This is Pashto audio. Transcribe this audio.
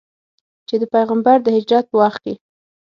چې د پیغمبر د هجرت په وخت کې.